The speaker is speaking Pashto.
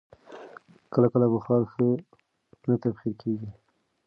کله کله بخار ښه نه تبخیر کېږي.